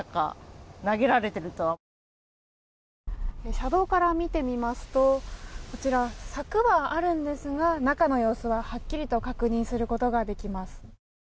車道から見てみますと柵はあるんですが中の様子ははっきりと確認することができます。